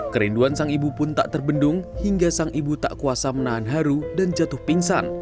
kerinduan sang ibu pun tak terbendung hingga sang ibu tak kuasa menahan haru dan jatuh pingsan